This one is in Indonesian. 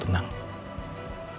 setelah itu kita akan berbicara